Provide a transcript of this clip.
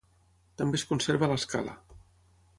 També es conserva l'escala.